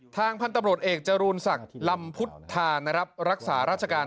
ทางพันธ์ตำรวจเอกจรุณศักดิ์ลำพุทธาณรักษารัชการ